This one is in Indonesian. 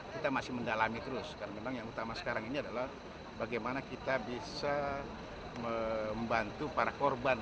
kita masih mendalami terus karena memang yang utama sekarang ini adalah bagaimana kita bisa membantu para korban